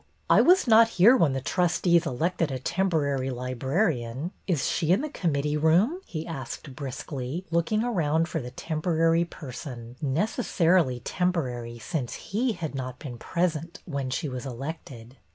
I was not here when the trustees elected a temporary librarian. Is she in the committee room ? he asked briskly, looking around for the temporary person, necessarily temporary since he had not been present when she was elected.